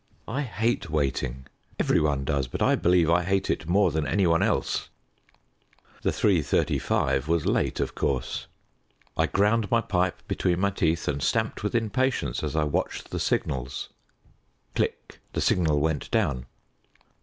I hate waiting. Every one does, but I believe I hate it more than any one else. The three thirty five was late, of course. I ground my pipe between my teeth and stamped with impatience as I watched the signals. Click. The signal went down.